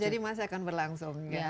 jadi masih akan berlangsung